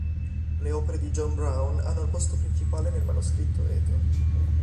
Le opere di John Browne hanno il posto principale nel manoscritto Eton.